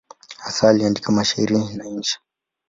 Hasa aliandika mashairi na insha.